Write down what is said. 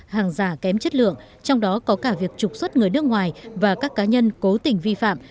hàng giả kém chất lượng trong đó có cả việc trục xuất người nước ngoài và các cá nhân cố tình vi phạm